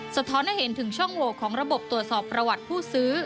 สะท้อนให้เห็นถึงช่องโหวของระบบตรวจสอบประวัติผู้ซื้อ